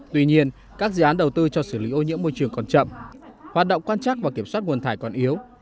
tuy nhiên các dự án đầu tư cho xử lý ô nhiễm môi trường còn chậm hoạt động quan trắc và kiểm soát nguồn thải còn yếu